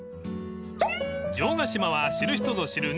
［城ヶ島は知る人ぞ知る］